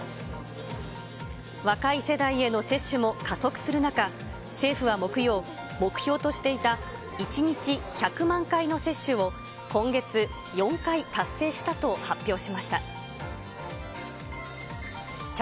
若い世代への接種も加速する中、政府は木曜、目標としていた１日１００万回の接種を今月４回達成したと発表しました。